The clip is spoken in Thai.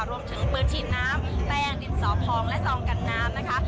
รวมถึงปืนฉีดน้ำแป้งดินสอพองและซองกันน้ำนะคะ